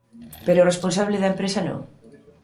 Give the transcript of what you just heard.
Pero o responsable da empresa non.